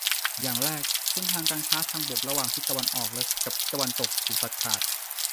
อย่างแรก เส้นทางการค้าทางบกระหว่างทิศตะวันออกกับตะวันตกถูกตัดขาด